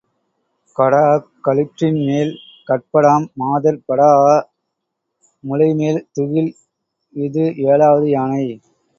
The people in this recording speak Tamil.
கடாஅக் களிற்றின்மேல் கட்படாம் மாதர் படாஅ முலைமேல் துகில். இது ஏழாவது யானை,